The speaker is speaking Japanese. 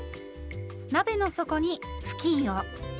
鍋の底に布巾を。